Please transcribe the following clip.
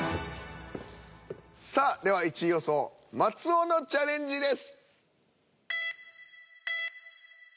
さあでは１位予想松尾のチャレンジです。